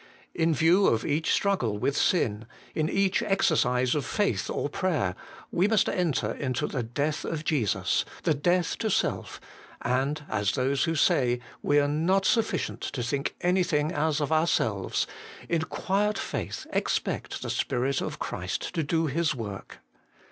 In view of each struggle with sin, in each exercise of faith or prayer, we must enter into the death of Jesus, the death to self, and as those who say, ' we are not sufficient to think anything as of ourselves,' in quiet faith expect the Spirit of Christ to do His work.